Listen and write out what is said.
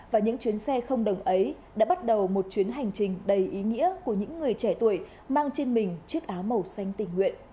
và những chuyến xe không đồng ấy đã bắt đầu một chuyến hành trình đầy ý nghĩa của những người trẻ tuổi mang trên mình chiếc áo màu xanh tình nguyện